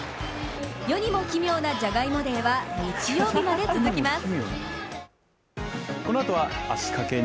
世にも奇妙なじゃがいもデーは日曜日まで続きます。